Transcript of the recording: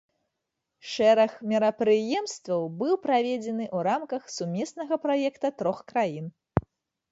Шэраг мерапрыемстваў быў праведзены ў рамках сумеснага праекта трох краін.